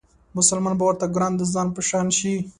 مسلمان به ورته ګران د ځان په شان شي